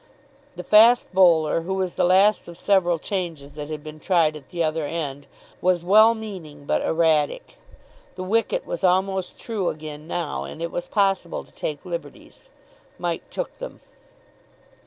The fast bowler, who was the last of several changes that had been tried at the other end, was well meaning but erratic. The wicket was almost true again now, and it was possible to take liberties. Mike took them.